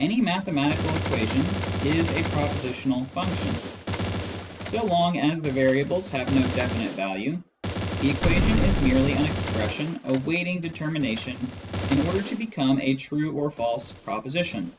Any mathematical equation is a propositional function. So long as the variables have no definite value, the equation is merely an expression awaiting determination in order to become a true or false proposition.